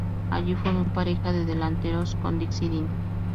Allí formó pareja de delanteros con Dixie Dean.